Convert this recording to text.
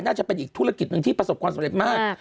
น่าจะเป็นอีกธุรกิจหนึ่งที่ประสบความสำเร็จมาก